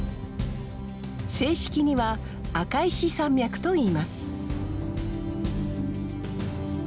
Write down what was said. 正式には赤石山脈と言います。